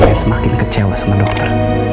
dan semakin kecewa sama dokter